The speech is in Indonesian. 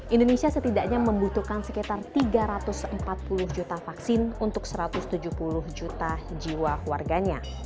indonesia setidaknya membutuhkan sekitar tiga ratus empat puluh juta vaksin untuk satu ratus tujuh puluh juta jiwa warganya